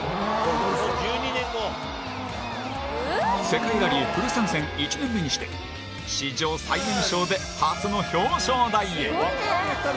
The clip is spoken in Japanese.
世界ラリーフル参戦１年目にして史上最年少で初の表彰台へ。